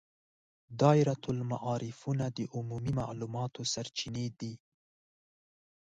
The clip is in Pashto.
دایرة المعارفونه د عمومي معلوماتو سرچینې دي.